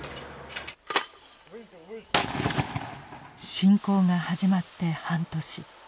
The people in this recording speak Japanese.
侵攻が始まって半年。